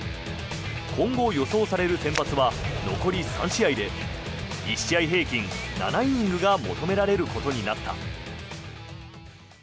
今後予想される先発は残り３試合で１試合平均７イニングが求められることになった。